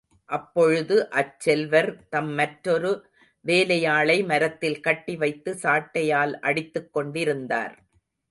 அப்பொழுது, அச்செல்வர் தம் மற்றொரு வேலையாளை மரத்தில் கட்டி வைத்து, சாட்டையால் அடித்துக் கொண்டிருந்தார்.